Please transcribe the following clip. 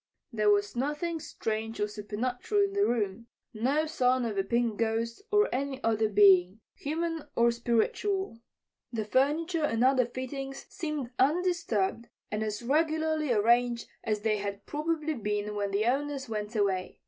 There was nothing strange or supernatural in the room; no sign of a pink ghost or any other being, human or spiritual. The furniture and other fittings seemed undisturbed and as regularly arranged as they had probably been when the owners went away.